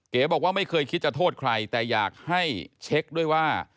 บอกว่าไม่เคยคิดจะโทษใครแต่อยากให้เช็คด้วยว่า